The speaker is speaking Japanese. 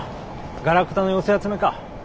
ガラクタの寄せ集めか。